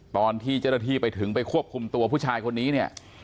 ตอนที่เจ้าหน้าที่ไปถึงไปควบคุมตัวผู้ชายคนนี้เนี่ย